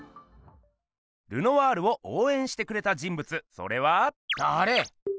ルノワールをおうえんしてくれた人物それは。だれ？